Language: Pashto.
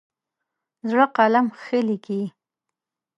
زړه قلم ښه لیکي.